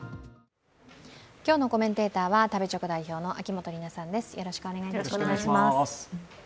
今日のコメンテーターは食べチョク代表の秋元里奈さんです。